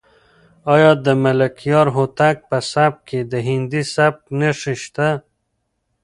آیا د ملکیار هوتک په سبک کې د هندي سبک نښې شته؟